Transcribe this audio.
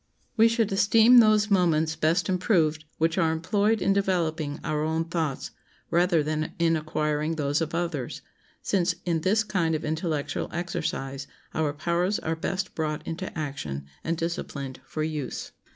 We should esteem those moments best improved which are employed in developing our own thoughts, rather than in acquiring those of others, since in this kind of intellectual exercise our powers are best brought into action and disciplined for use.